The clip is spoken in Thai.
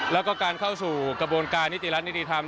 แล้วก็การเข้าสู่กระบวนการนิติรัฐนิติธรรม